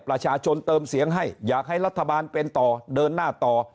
ประชาชนเติมเสียงให้อยากให้รัฐบาลเป็นต่อเดินหน้าต่อ